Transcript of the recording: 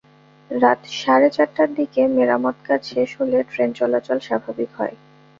রাত সাড়ে চারটার দিকে মেরামতকাজ শেষ হলে ট্রেন চলাচল স্বাভাবিক হয়।